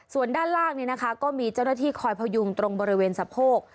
ส่วนด้านล่างก็มีเจ้าหน้าที่คอยพยุงตรงบริเวณสะโพก